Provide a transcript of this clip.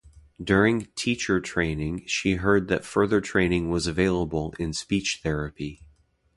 During teacher training she heard that further training was available in speech therapy.